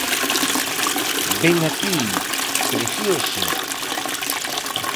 Ven aquí, precioso!